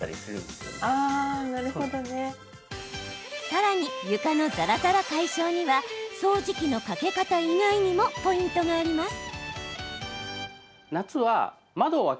さらに、床のザラザラ解消には掃除機のかけ方以外にもポイントがあります。